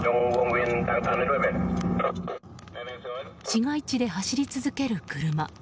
市街地で走り続ける車。